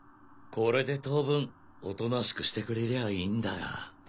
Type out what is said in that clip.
これで当分おとなしくしてくれりゃあいいんだが。